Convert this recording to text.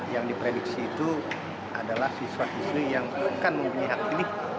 yang diprediksi itu adalah siswa siswi yang akan mempunyai hak pilih